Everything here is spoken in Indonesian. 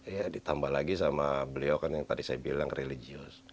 ya ditambah lagi sama beliau kan yang tadi saya bilang religius